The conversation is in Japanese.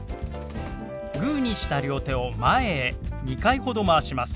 グーにした両手を前へ２回ほどまわします。